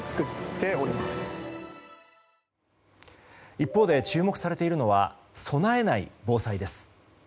一方で注目されているのは備えない防災です。